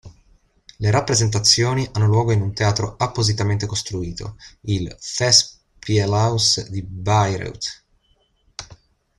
Le rappresentazioni hanno luogo in un teatro appositamente costruito, il Festspielhaus di Bayreuth.